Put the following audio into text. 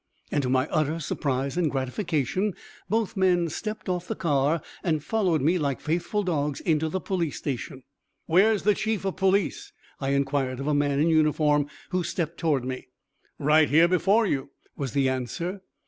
'" And, to my utter surprise and gratification, both men stepped off the car and followed me like faithful dogs into the police station. "Where's the Chief of Police?" I inquired of a man in uniform, who stepped toward me. "Right here before you," was the answer.